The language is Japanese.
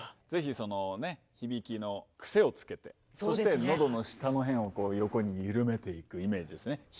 是非そのね響きのクセをつけてそして喉の下の辺をこう横にゆるめていくイメージですね。